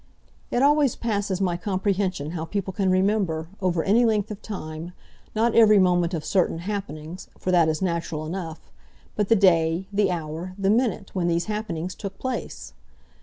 It always passes my comprehension how people can remember, over any length of time, not every moment of certain happenings, for that is natural enough, but the day, the hour, the minute when these happenings took place!